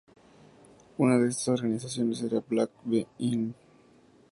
Una de estas organizaciones era Black B. Inc.